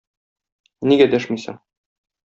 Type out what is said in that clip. Нигә дәшмисең?